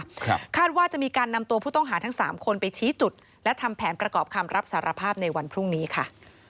ครับคาดว่าจะมีการนำตัวผู้ต้องหาทั้งสามคนไปชี้จุดและทำแผนประกอบคำรับสารภาพในวันพรุ่งนี้ค่ะ